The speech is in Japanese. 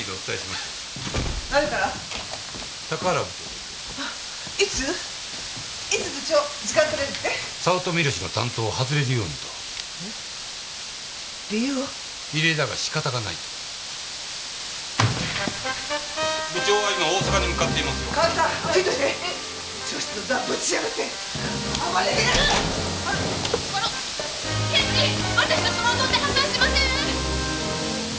私と相撲とって発散しません？